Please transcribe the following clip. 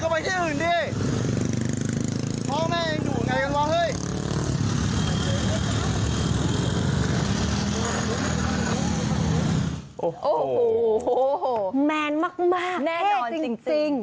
โอ้โหแมนมากแน่นอนจริง